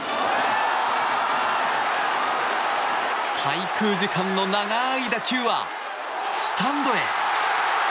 滞空時間の長い打球はスタンドへ。